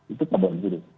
itu kebal juri